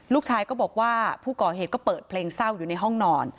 ลูกชายก็บอกว่าผู้ก่อเหตุก็เปิดเพลงเศร้าอยู่ในห้องนอน